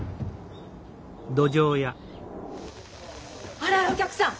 あららお客さん